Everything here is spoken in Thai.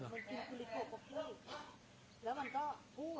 มันกินกุริโกะโกะพี่แล้วมันก็พูด